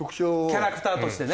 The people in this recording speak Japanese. キャラクターとしてね。